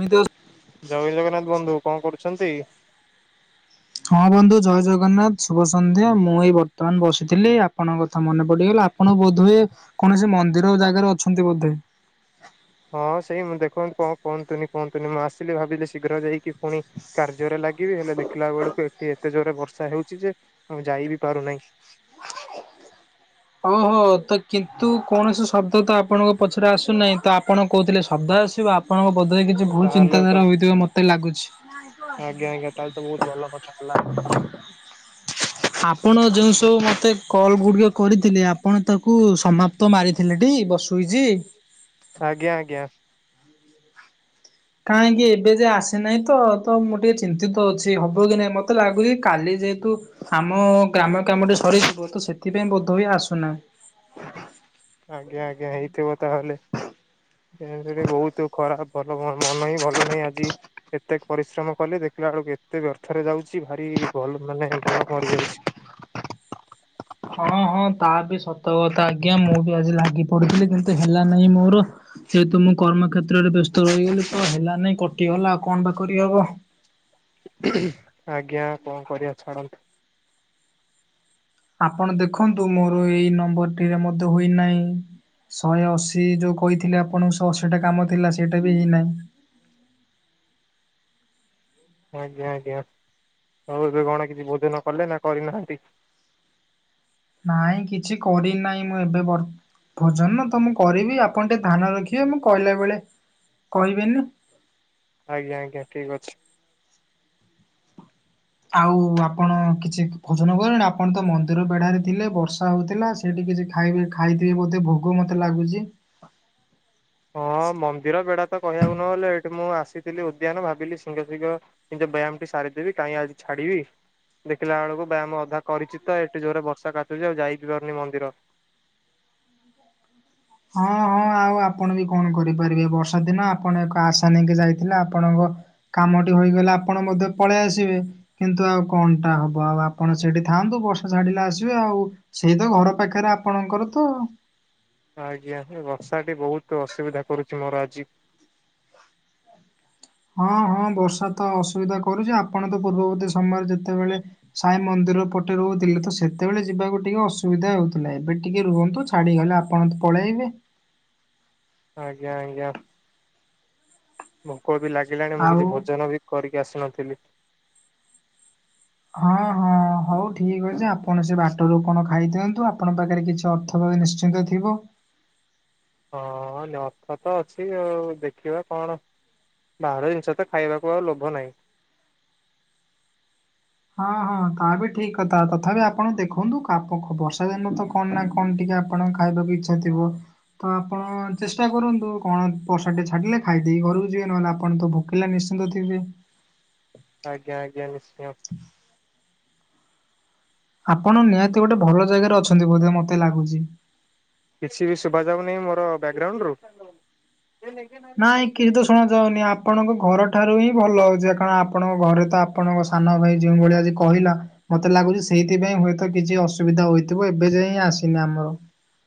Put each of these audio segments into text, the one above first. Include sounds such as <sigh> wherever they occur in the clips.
ମୁଁ ତ ଜୟ ଜଗନ୍ନାଥ ବନ୍ଧୁ କଣ କରୁଛନ୍ତି? ହଁ ବନ୍ଧୁ ଜୟ ଜଗନ୍ନାଥ, ଶୁଭ ସନ୍ଧ୍ୟା ମୁଁ ଏଇ ବର୍ତମାନ ବସିଥିଲି ଆପଣଙ୍କ କଥା ମନେ ପଡିଗଲା। ଆପଣ ବୋଧଏ କୌଣସି ମନ୍ଦିର ଜାଗାରେ ଅଛନ୍ତି ବୋଧେ? ହଁ ସେଇ ମୁଁ ଦେଖନ୍ତୁ କଣ କୁହନ୍ତୁନି କୁହନ୍ତୁନି ମୁଁ ଆସିଲି ଭାବିଲି ଶୀଘ୍ର ଯାଇକି ପୁଣି କାର୍ଯ୍ୟରେ ଲାଗିବି ହେଲେ ଦେଖିଲା ବେଳକୁ ଏଠି ଏତେ ଜୋରେ ବର୍ଷା ହେଉଛି ଯେ ମୁଁ ଯାଇ ବିି ପାରୁନାହିଁ। ଓହୋ ତ କିନ୍ତୁ କୌଣସି ଶବ୍ଦ ତ ଆପଣଙ୍କ ପଛରେ ଆସୁନାହିଁ ତ ଆପଣ କହୁଥିଲେ ଶବ୍ଦ ଆସ। ଆପଣଙ୍କ ବୋଧେ କିଛି ଭୁଲ ତାହେଲେ ତ ଚିନ୍ତାଧାରା ହୋଇଥିବା ମତେ ଲାଗୁଛି। ଆଜ୍ଞା ଆଜ୍ଞା ତାହେଲେ ତ ବହୁତ ଭଲ କଥା ହେଲା। <unintelligible> ଆପଣ ଯେଉ ସବୁ ମତେ କଲ୍ ଗୁଡିକ କରିଥିଲେ ଆପଣ ତାକୁ ସମାପ୍ତ ମାରିଥିଲେ ଟି? ବସୁଇଛି। ଆଜ୍ଞା ଆଜ୍ଞା। କାହିଁକି ଏବେ ଯେ ଆସିନାହିଁ ତ ତ ମୁଁ ଟିକେ ଚିନ୍ତିତ ଅଛି ହବ କି ନାଇଁ ମତେ ଲାଗୁଛି କାଲି ଯେହେତୁ ଆମ ଗ୍ରାମ କାମଟି ସରିଯିବ ତ ସେଥିପାଇଁ ବୋଧ ହୁଏ ଆସୁନାହି। ଆଜ୍ଞା ଆଜ୍ଞା ହେଇଥିବ ତାହେଲେ ତେଣୁକରି ବହୁତ ଖରାପ। ଭଲ ମନ ହିଁ ଭଲ ନାହିଁ ଆଜି। ଏତେ ପରିଶ୍ରମ କଲେ ଦେଖିଲା ବେଳକୁ ଏତେ ବ୍ୟର୍ଥରେ ଯାଉଛି ଭାରି ଭଲ ମାନେ ମନ ମରିଯାଉଛି। ହଁ। ହଁ ହଁ ତା ବି ସତ କଥା ଆଜ୍ଞା ମୁଁ ବି ଆଜି ଲାଗି ପଡିଥିଲି କିନ୍ତୁ ହେଲା ନାହିଁ ମୋର। ସେ ତ ମୁଁ କର୍ମ କ୍ଷେତ୍ରରେ ବ୍ୟସ୍ତ ରହିଗଲି ତ ହେଲାନାଇଁ କଟିଗଲା ଆଉ କଣ ବା କରୀ ହବ? ଆଜ୍ଞା କଣ କରିବା ଛାଡ଼ନ୍ତୁ। ଆପଣ ଦେଖନ୍ତୁ ମୋର ଏଇ ନମ୍ବର ଟିରେ ମଧ୍ୟ ହୋଇନାହିଁ। ଶହେ ଅଶୀ ଯୋଉ କହିଥିଲେ ଆପଣ ଶହେ ଅଶୀଟା କାମ ଥିଲା ସେଇଟା ବି ହେଇନାହିଁ। <inaudible> ଆଜ୍ଞା ଆଜ୍ଞା। ଆଉ ଏବେ କଣ କିଛି ଭୋଜନ କଲେ ନା କରିନାହାନ୍ତି? ନାଇଁ କିଛି କରି ନାହିଁ ମୁଁ ଏବେ ବର୍ ଭୋଜନ ତ ମୁଁ କରିବି ଆପଣ ଟିକେ ଧାନ ରଖିବେ ମୁଁ କହିଲା ବେଳେ। କହିବେନି। ଆଜ୍ଞା ଆଜ୍ଞା ଠିକ ଅଛି। ଆଉ ଆପଣ କିଛି ଭୋଜନ କଲେଣି? ଆପଣ ତ ମନ୍ଦିର ବେଢାରେ ଥିଲେ ବର୍ଷା ହଉଥିଲା ସେଇଠି କିଛି ଖାଇବେ ଖାଇଥିବେ ବୋଧେ ଭୋଗ ମତେ ଲାଗୁଛି। ହଁ ମନ୍ଦିର ବେଡା ତ କହିବାକୁ ନହେଲେ ଏଠି ମୁଁ ଆସିଥିଲି ଉଦ୍ୟାନ ଭାବିଲି ସିଙ୍ଗ ସିଙ୍ଗ ନିଜ ବ୍ୟାୟାମ ଟି ସାରିଦେବି କାହିଁ ଆଜି ଛାଡିବି। ଦେଖିଲା ବେଳକୁ ବ୍ୟାୟ ମୁ ଅଧା କରିଛି ତ ଏଠି ଜୋରେ ବର୍ଷା କାଚୁଛି ଆଉ ଯାଇ ବି ପାରୁନି ମନ୍ଦିର। <unintelligible> ହଁ ହଁ ଆଉ ଆପଣ ବି କଣ କରିପାରିବେ ବର୍ଷା ଦିନ ଆପଣ ଏକ ଆଶା ନେଇକି ଯାଇଥିଲେ ଆପଣଙ୍କ କାମଟି ହେଇଗଲେ ଆପଣ ମଧ୍ୟ ପଳେଇ ଆସିବେ କିନ୍ତୁ ଆଉ କଣ ଟା ହବ ଆଉ ଆପ ଆପଣ ସେଠି ଥାଆନ୍ତୁ ବର୍ଷା ଛାଡିଲେ ଆସିବେ ଆଉ, ସେଇ ତ ଘର ପାଖରେ ଆପଣଙ୍କର ତ। ଆଜ୍ଞା ବର୍ଷାଟି ବୋହୁତ ଅସୁବିଧା କରୁଚି ମୋର ଆଜି। ହଁ ହଁ ବର୍ଷା ତ ଅସୁବିଧା କରୁଚି, ଆପଣ ତ ପୂର୍ବର୍ତୀ ସମୟରେ ଯେତେବେଳେ ସାଇ ମନ୍ଦ ପଟେ ରହୁଥିଲେ ତ ସେତେବେଳେ ଯିବାକୁ ଟିକେ ଅସୁବିଧା ହେଉଥିଲା, ଏବେ ଟିକେ ରୁହନ୍ତୁ ଛାଡ଼ିଗଲେ ଆପଣ ତ <unintelligible> ଆଜ୍ଞା ଆଜ୍ଞା, କୁ ଭୋକ ଲାଗିଲାଣି ମୁଁ ଆଉ କିଛି ଭୋଜନ ବି କରିକି ଆସିନଥିଲି। ହଁ ହଁ। ହଉ ଠିକ ଅଛି ଆପଣ ସେ ବାଟରୁ କଣ ଖାଇ ଦିଅନ୍ତୁ ଆପଣଙ୍କ ପାଖରେ କିଛି ଅର୍ଥ ନିଶ୍ଚିନ୍ତ ଥିବ। <inaudible> ହଁ ନଥ ତ ଅଛି, ଆଉ ଦେଖିବା କଣ ବାହାର ଜିନିଷ ତ ଖାଇବାକୁ ଆଉ ଲୋଭ ନାହିଁ। ହଁ ହଁ ତାହା ବି ଠିକ୍ କଥା, ତଥାପି ଆପଣ ଦେଖନ୍ତୁ ବର୍ଷା ଦିନ ତ କଣ ନା କଣ ଟିକେ ଆପଣ ଖାଇବାକୁ ଇଚ୍ଛା ଥିବ। ତ ଆପଣ ଚେଷ୍ଟା କରନ୍ତୁ କଣ ବର୍ଷା ଟେ ଛାଡିଲେ ଖାଇଦେଇ ଘରକୁ ଯିବେ ନହେଲେ ଆପଣ ତ ଭୋକିଲେ ନି ନିଶ୍ଚିତ ଥିବେ। ଆଜ୍ଞା ଆଜ୍ଞା ନିଶ୍ଚୟ। ଆପଣ ନିହାତି ଗୋଟେ ଭଲ ଜାଗାରେ ଅଛନ୍ତି ବୋଧେ ମତେ ଲାଗୁଚି। କିଛି ବି ଶୁଭାଯାଉନହିଁ ମୋର ବ୍ୟାକଗ୍ରାଉଣ୍ଡ ରୁ? ନାଇଁ କିଛି ତ ଶୁଣ ଯାଉନି ଆପଣଙ୍କ ଘର ଠାରୁ ହିଁ ଭଲ ଆଉଚି କାରଣ ଆପଣଙ୍କ ଘରେ ତ ଆପଣଙ୍କ ସାନ ଭାଇ ଭଳିଆ କହିଲା ମତେ ଲାଗୁଚି ସେଇଥିପାଇଁ ହୁଏତ କିଛି ଅସୁବିଧା ହୋଇଥିବ ଏବେ ଯାଇ ହିଁ ଆସିନି ଆମର।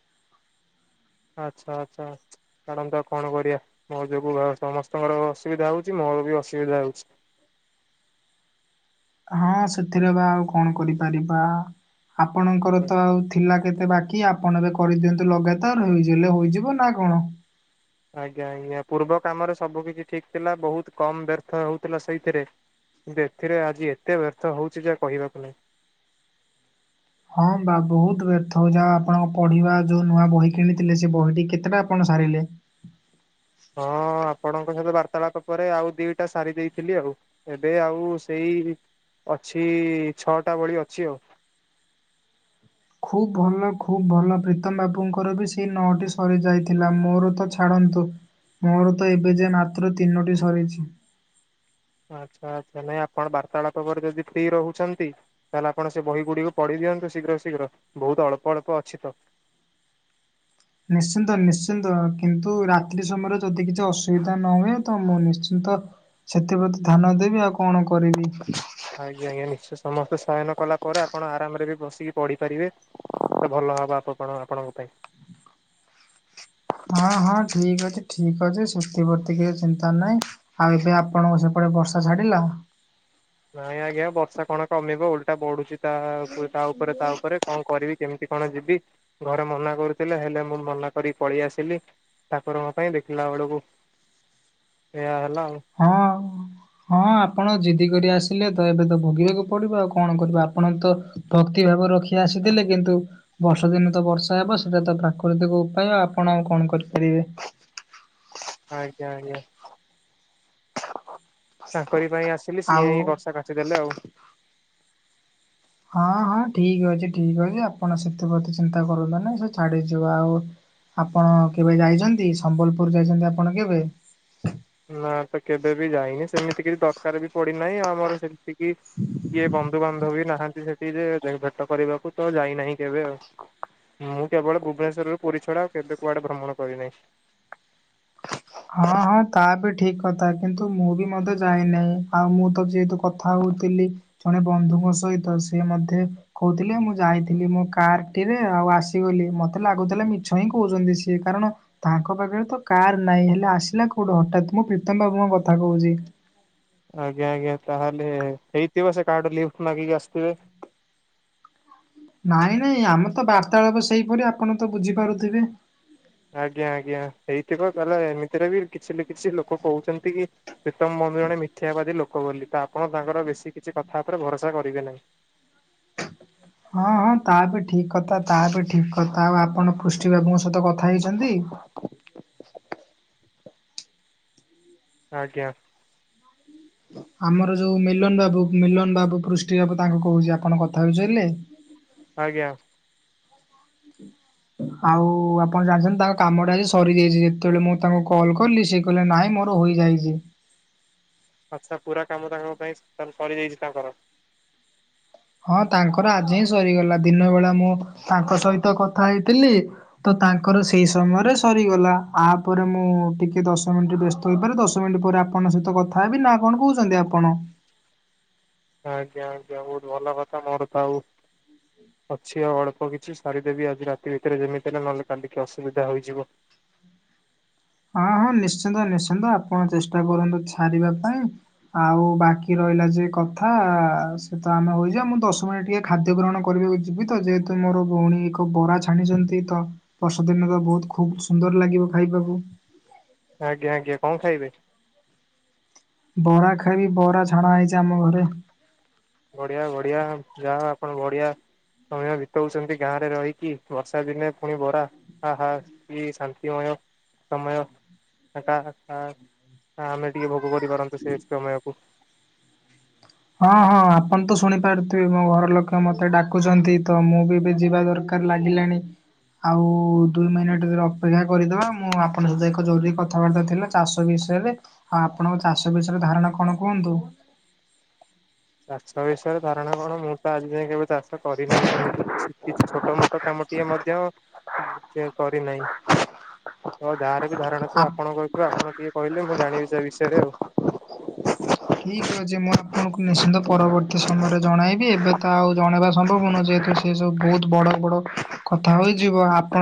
<inaudible> ଆଚ୍ଛା ଆଚ୍ଛା ଛାଡ଼ନ୍ତୁ ଆଉ କଣ କରିବା ମୋ ଯୋଗୁ ସମସ୍ତଙ୍କର ଅସୁବିଧା ହୋଉଚି, ମୋ ଅସୁବିଧା ହୋଉଚି। ହଁ ସେଥିରେ ବା ଆଉ କଣ କରିପାରିବା ଆପଣଙ୍କର ତ ଆଉ ଥିଲା କେ ବାକି ଆପଣ ଏବେ କରିଦିଅନ୍ତୁ ଲଗାତାର ହେଇଲେ ହେଯିବ ନା କଣ? ଆଜ୍ଞା ଆଜ୍ଞା ପୂର୍ବ କାମରେ ସବୁ କିଛି ଠିକ ଥିଲା ବୋହୁତ କମ ବ୍ୟର୍ଥ ହୋଉଥିଲା ସେଇଥିରେ। ଏଥିରେ ଆଜି ଏତେ ବ୍ୟର୍ଥ ହୋଉଚି ଯାହା କହିବାକୁ ନାହିଁ। ହଁ ବା ବହୁତ ବ୍ୟର୍ଥ ହୋଉ ଯା ଆପଣଙ୍କ ପଢିବା ଯୋଉ ନୂଆ ବହି କିଣିଥିଲେ ସେ ବହିଟି କେତେ ଆପଣ ସାରିଲେ ହଁ ଆପଣଙ୍କ ସହିତ ବାର୍ତାଳାପ ପରେ ଆଉ ଦିଇଟା ସାରି ଦେଇଥିଲି, ଆଉ ଏବେ ଆଉ ସେଇ ଅଛି ଛଅଟା ଭଳି ଅଛି ଆଉ। ଖୁବ୍ ଭଲ ଖୁବ୍ ଭଲ ପ୍ରୀତମ ବାବୁଙ୍କର ବି ସେଇ ନଅଟି ସରିଯାଇଥିଲା ମୋର ତ ଛାଡ କିନ୍ତୁ ମୋର ତ ଏବେ ଯେ ମାତ୍ର ତିନୋଟି ସରିଚି। ଆଚ୍ଛା ଆଚ୍ଛା ନାଇଁ ଆପଣ ବାର୍ତ୍ତାଳାପ ପରେ ଯଦି ଫ୍ରି ରହୁଛନ୍ତି ତାହେଲେ ଆପଣ ସେ ବହି ଗୁଡିକୁ ପଢି ଦିଅନ୍ତୁ ଶୀଘ୍ର ଶୀଘ୍ର ବୋହୁତ ଅଳ୍ପ ଅଳ୍ପ ଅଛି ତ। ନିଶ୍ଚିନ୍ତ ନିଶ୍ଚିନ୍ତ କିନ୍ତୁ ରାତ୍ରି ସମୟରେ ଯଦି କିଛି ଅସୁବିଧା ନ ହୁଏ ତ ମୁଁ ନିଶ୍ଚିନ୍ତ ତ ସେଥିପ୍ରତି ଧ୍ୟାନ ଦେବି ଆଉ କଣ କରିବି। ଆଜ୍ଞା ଆଜ୍ଞା ନିଶ୍ଚୟ ସମସ୍ତେ ସୟନ କଲା ପରେ ଆପଣ ଆରାମରେ ବି ବସିକି ପଢିପାରିବେ। ତ ଭଲ ହବ ଆ <unintelligible> କଣ ଆପଣଙ୍କ ପାଇଁ। ହଁ ହଁ ଠିକ ଅଛି ଠିକ ଅଛି ଶେଥିପ୍ରତି କିଛି ଚିନ୍ତା ନାହିଁ ଆଉ ଏବେ ଆପଣଙ୍କ <unintelligible> ବର୍ଷା ଛାଡ଼ିଲ? <unintelligible> ନାଇଁ ଆଜ୍ଞା ବର୍ଷା କଣ କମିବ ଓଲଟା ବଢୁଚି ତା ତା ଉପରେ ତା ଉପରେ କଣ କରିବି କେମିତି କଣ ଯିବି ଘରେ ମନା କରୁଥିଲେ ହେଲେ ମୁଁ ମନା କରି ପଳେଇ ଆସିଲି ଠାକୁରଙ୍କ ପାଇଁ ଦେଖିଲା ବେଳକୁ ସେ ହଁ। ହଁ ଆପଣ ଜିଦି କରି ଆସିଲେ ତ ଏବେ ତ ଭୋଗିବାକୁ ପଡିବ ଆଉ କଣ କର ଆପଣ ତ ଭାବ ରଖି ଆସିଥିଲେ କିନ୍ତୁ ବର୍ଷ ଦିନ ତ ବର୍ଷା ହେବ ସେଇଟା ତ ପ୍ରାକୃତିକ ଉପାୟ ଆପଣ କଣ କରିପାରିବେ ଆଜ୍ଞା ଆଜ୍ଞା ତାଙ୍କରି ପାଇଁ ଆସିଲି ସିଏ ଆଉ ହଇ ବର୍ଷା କାଚି ଦେଲେ ଆଉ ହଁ ହଁ ଠିକ୍ ଅଛି ଠିକ୍ ଅଛି ଆପଣ ସେଥିପ୍ର ତି ଚିନ୍ତା କରନ୍ତୁ ନାହିଁ ସେ ଛାଡିଯିବ ଆଉ ଆପଣ କେବେ ଯାଇଛନ୍ତି ସମ୍ବଲପୁର ଯାଇଛନ୍ତି ଆପଣ କେବେ? ନା ତ କେବେ ବି ଯାଇନି ସେମିତି କିଛି ଦରକାର ବି ପଡିନାହିଁ ଆମର ସେ କିଏ ବନ୍ଧୁବାନ୍ଧବୀ ନାହାନ୍ତି ସେଠି ଯେ ଭଟ କରିବାକୁ ତ ଯାଇନାହିଁ କେବେ ଆଉ ମୁଁ କେବଳ ଭୁବନେଶ୍ରରୁୁ ପୁରୀ ଛଡା କେବେ କୁଆଡେ ଭ୍ରମଣ କରିନାହିଁ ହଁ ହଁ ତା ବି ଠିକ କଥା କିନ୍ତୁ ମୁଁ ବି ମଧ୍ୟ ଯାଇନାହିଁ ଆଉ ମୁଁ ତ ଯେହେତୁ କଥା ହଉଛି ଥିଲ ଜଣେ ବନ୍ଧୁଙ୍କ ସହିତ ସିଏ ମଧ୍ୟ କହୁଥିଲେ ମୁଁ ଯାଇଥିଲି ମୋ କାର ଟିରେ ଆଉ ଆସିଗଲି ମତେ ଲାଗୁଥିଲା ମିଛ ହିଁ କହୁଛନ୍ତି ସିଏ କାରଣ ତାଙ୍କ ପାଖରେ ତ କାର ନାଇଁ ହେଲେ ଆସିଲା କୋଉଠୁ ହଠାାତ ମୁଁ ପ୍ରୀତମ ବାବୁ ଙ୍କ କଥା କହୁଛି। ଆଜ୍ଞା ଆଜ୍ଞା ତାହେଲେ ହେଇଥିବ ସେ କହାଠୁ ଲିଫ୍ଟ ମାଗିକି ଆସିଥିବେ। ନାଇଁ ନାଇଁ ଆମର ତ ବାର୍ତାଳବ ସେଇପରି ଆପଣ ତ ବୁଝିପାରୁଥିବେ। ଆଜ୍ଞା ଆଜ୍ଞା ହେଇଥିବ କହିଲ ଏମିତିରେ ବି କିଛି ଲୁ କିଛି ଲୋକ କହୁଛନ୍ତି କି ପ୍ରୀତମ ବନ୍ଧ ଜଣେ ମି୍ୟାାବାଦୀ ଲୋ ୋକ ବୋଲି ତ ଆପଣ ତାଙ୍କର ବେଶୀ କିଛି କଥା ଉପରେ ଭରସା କରିବେ ନାହିଁ। ହଁ ହଁ ତା ବି ଠିକ କଥା ତା ବି ଠିକ କଥା ଆଉ ଆପଣ ପୃଷ୍ଟି ବାବୁଙ୍କ ସହିତ କଥା ହେଇଛନ୍ତି? ଆଜ୍ଞା ଆମର ଯୋଉ ମିଲନ ବାବୁ ମିଲନ ବାବୁ, ପୃଷ୍ଟି ବାବୁ ତାଙ୍କୁ କହୁଛି ଆପଣ କଥା ହେଚାରିଲେ ଆଜ୍ଞା ଆଉ ଆପଣ ଜାଣିଛନ୍ତି ତାଙ୍କ କାମଟା ଆଜି ସରିଯାଇଛି ଯେତେବେଳେ ମୁଁ ତାଙ୍କୁ କଲ୍ କଲିି ସେ କହିଲେ ନାଇଁ ମୋର ହୋଇଯାଇଛି ପୁରା କାମ ତାଙ୍କ ପାଇଁ କରିଦେଇଛି ତାଙ୍କର ହଁ ତାଙ୍କର ଆଜି ହିଁ ସରିଗଲା ଦିନ ବେଳା ମୁଁ ତାଙ୍କ ସହିତ କଥା ହେଇଥିଲି ତ ତାଙ୍କର ସେଇ ସମୟରେ ସରିଗଲା ତାପରେ ମୁଁ ଟିକେ ଦଶ ମିନିଟ ବ୍ୟସ୍ତ ହୋଇପାରେ ଦଶ ମିନିଟ ପରେ ଆପଣଙ୍କ ସହିତ କଥା ହେବି ନା କଣ କହୁଛନ୍ତି ଆପଣ? ଆଜ୍ଞ ଆଜ୍ଞ ବହୁତ ଭଲ କଥା ମୋର ତ ଆଉ ଅଛି ଆଉ ଅଳ୍ପ କିଛି ସାରିଦେବି ଆଜି ରାତି ଭିତରେ ଯେମିତି ହେଲେ ନହେଲେ କାଲିକି ଅସୁବିଧା ହୋଇଯିବ। <inaudible> ହଁ ହଁ ନିଶ୍ଚିନ୍ତ ନିଶ୍ଚିନ୍ତ ଆପଣ ଚେଷ୍ଟା କରନ୍ତୁ ସରିବା ପାଇଁ ଆଉ ବାକି ର ହେଲା ସେ କଥା ସେ ତ ଆମେ ମୁଁ ଦଶ ମିନିଟ ଟିକେ ଖାଦ୍ୟ ଗ୍ରଣକୁ କରିବାକୁ ଯିବି ତ ଯେହେତୁ ମୁଁ ମୋର ଭଉଣୀ ଏକ ବରା ଛାଣିଛନ୍ତି ତ ବର୍ଷଦିନ ତ ବହୁତ ଖୁବ ସୁନ୍ଦର ଲାଗିବ ଖାଇବାକୁ। ଆଜ୍ଞା ଆଜ୍ଞା କଣ ଖାଇବେ। ବରା ଖାଇବି ବରା ଛଣା ହେଇଛି ଆମ ଘରେ। ବଢିଆ ବଢିଆ ଯାହା ଆପଣ ବଢିଆ। ସମୟ ବିତଉଛନ୍ତି ଗାଁରେ ରହିକି। ବର୍ଷା ଦିନେ ପୁଣି ବରା ହା ହା କି ଶାନ୍ତିମୟ। ସମୟ। <unintelligible> ଆମେ ଟିକେ ଭୋଗ କରିପାରନ୍ତୁ ସେ ସମୟକୁ। <inaudible> ହଁ ହଁ ଆପଣ ତ ଶୁଣିପାରୁଥିବେ ମୋ ଘର ଲୋକ ମତେ ଡାକୁଛନ୍ତି ତ ମୁଁ ବି ଯିବା ଦରକାର। ଲାଗି ଲାଣି। ଆଉ ଦୁଇ ମନିଟ ଅପେକ୍ଷା କରିଦବା ମୁଁ ଆପଣଙ୍କ ସହିତ ଏକ ଜରୁରୀ କଥାବାର୍ତ୍ତା ଥିଲା ଚାଷ ବି ଷଲେ ଆଉ ଆପଣଙ୍କ ଚାଷ ବିଷୟରେ ଧାରଣା କଣ କୁହନ୍ତୁ? <inaudible> ଚାଷ ବିଷୟରେ ଧାରଣା କଣ ମୁଁ ତ ଆଜି ଯାଏ କେବେ ଚାଷ କରିନାହିଁ ସେମିତି କିଛି କିଛି ଛୋଟ ମୋଟ କାମ ଟିଏ ମଧ୍ୟ ଯେ କରିନାହିଁ। ତ ଯାହାର ବି ଧାରଣା ଥିବ ଆପଣଙ୍କର ଥିବ ଆପଣ ଟିକେ କହିଲେ ମୁଁ ଜାଣିବି ସେ ବିଷୟରେ ଆଉ। ଠିକ ଅଛି ମୁଁ ଆପଣଙ୍କୁ ନିଶ୍ଚିନ୍ତ ପରବର୍ତ୍ତୀ ସମୟରେ ଜଣାଇବି ଏବେ ତ ଆଉ ଜଣେଇବା ସମ୍ଭବ ନୁହଁ ଯେ ସେ ସବୁ ବହୁତ ବଡ ବଡ କଥା ହୋଇଯିବ ଆପଣ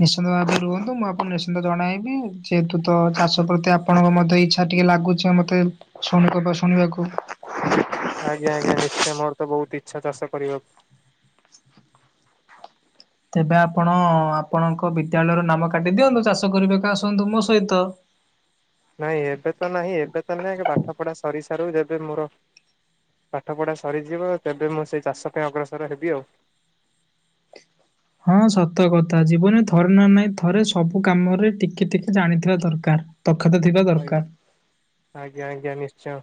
ନିଶ୍ଚିନ୍ତ ଭାବରେ ରୁହନ୍ତୁ ମୁଁ ଆପଣ ନିଶ୍ଚିନ୍ତ ଜଣେଇବି ଯେହେତୁ ତ ଚାଷ ପ୍ରତି ଆପଣଙ୍କ ମଧ୍ୟ ଇଚ୍ଛା ଟିକେ ଲାଗୁଛି ମତେ ଶୁଣି କବା ଶୁଣିବାକୁ। ଆଜ୍ଞା ଆଜ୍ଞା ନିଶ୍ଚୟ ମୋର ତ ବହୁତ ଇଛା ଚାଷ କରିବାକୁ। ତେବେ ଆପଣ ଆପଣଙ୍କ ବିଦ୍ୟାଳୟର ନାମ କାଟି ଦିଅନ୍ତୁ ଚାଷ କରିବାକୁ ଆସନ୍ତୁ ମୋ ସହିତ। ନାଇଁ ଏବେ ତ ନାହିଁ ଏବେ ତ ନାଇଁ ପାଠ ପଢା ସରି ସାରୁ ଯେବେ ମୋର ପାଠ ପଢା ସରିଯିବ ତେବେ ମୁଁ ସେଇ ଚାଷ ପାଇଁ ଅଗ୍ରସର ହେବି ଆଉ। <inaudible> ହଁ ସତ କଥା ଜୀବନରେ ଥରେ ନା ନାଇଁ ଥରେ ସବୁ କାମରେ ଟିକେ ଟିକେ ଜାଣିଥିବା ଦରକାର। ଦକ୍ଷତା ଥିବା ଆଇ ଦରକାର। ଆଜ୍ଞା ଆଜ୍ଞା ନିଶ୍ଚୟ।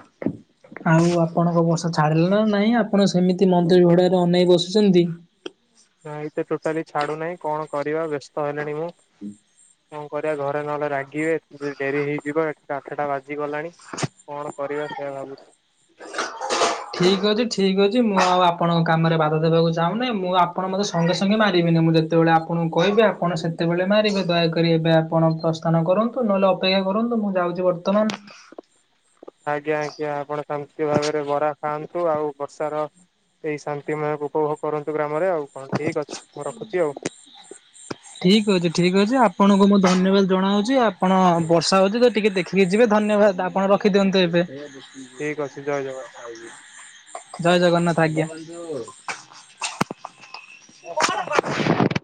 <inaudible> ଆଉ ଆପଣଙ୍କ ବର୍ଷ ଛାଡିଲେ ନା ନାଇଁ ଆପଣ ସେମିତି ମନ୍ଦିର ବେଢାରେ ଅନେଇ ବସିଛନ୍ତି। ଛାଡୁ ନାହିଁ କଣ କରିବା ବ୍ୟସ୍ତ ହେଲେଣି ମୁଁ। <unintelligible> କଣ କରିବା ଘରେ ନହେଲେ ରାଗିବେ ଡେରି ହେଇଯିବ ଆଠଟା ବାଜିଗଲାଣି। କଣ କରିବା ସେଇୟା ଭାବୁଛି? ଠିକ ଅଛି ଠିକ ଅଛି ମୁଁ ଆଉ ଆପଣଙ୍କ କାମରେ ବାଧା ଦେବାକୁ ଚାହୁଁନାହିଁ। ମୁଁ ଆପଣ ମତେ ସଙ୍ଗେ ସଙ୍ଗେ ମାରିଵେ। ମୁଁ ଯେତେବେଳେ ଆପଣଙ୍କୁ କହିଵି ଆପଣ ସେତେବେଳେ ମାରିବେ। ଦୟାକରି ଏବେ ଆପଣ ପ୍ରସ୍ଥାନ କରନ୍ତୁ ନହେଲେ ଅପେ କ୍ଷା କରନ୍ତୁ ମୁଁ ଯାଉଛି ବର୍ତ୍ତମାନ ଆଜ୍ଞା ଆଜ୍ଞା ଆପଣ ଶାନ୍ତି ଭାବରେ ବରା ଖାଆନ୍ତୁ ଆଉ ବର୍ଷାର ଏଇ ଶାନ୍ତି ମୟକୁ ଉପଭୋଗ କରନ୍ତୁ ଗ୍ରାମରେ ଆଉ କଣ ଠିକ ଅଛି ମୁଁ ରଖୁଛି ଆଉ। ଠିକ ଅଛି ଠିକ ଅଛି ଆପଣଙ୍କୁ ମୁଁ ଧନ୍ୟବାଦ ଜଣାଉଛି। ଆପଣ ବର୍ଷା ହଉଛି ତ ଟିକେ ଦେଖିକି ଯିବେ। ଧନ୍ୟବାଦ ଆପଣ ରଖିଦିଅନ୍ତୁ ଏବେ। ଠିକ ଅଛି ଜୟ ଜଗନ୍ନାଥ। ଜୟ ଜଗନ୍ନାଥ ଆଜ୍ଞା। <unintelligible>